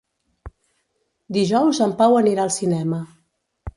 Dijous en Pau anirà al cinema.